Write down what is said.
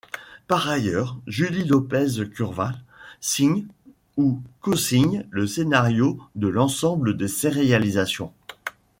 Par ailleurs, Julie Lopes-Curval signe, ou co-signe, le scénario de l'ensemble de ses réalisations.